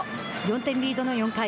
４点リードの４回。